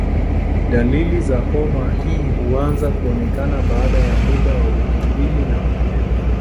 Dalili za homa hii huanza kuonekana baada ya muda wa wiki mbili na kuendelea.